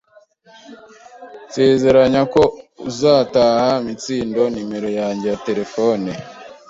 Nsezeranya ko utazaha Mitsindo numero yanjye ya terefone.